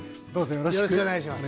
よろしくお願いします